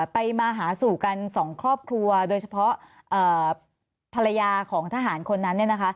ไปมาหาสู่กันสองครอบครัวโดยเฉพาะภรรยาของทหารคนนั้น